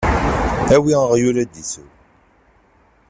Awi aɣyul ad d-isew.